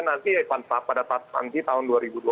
nanti ya pada tahun dua ribu dua puluh empat